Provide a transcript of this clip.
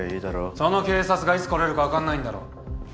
その警察がいつ来れるか分かんないんだろ？